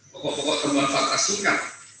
pokok pokok temuan fakta singkat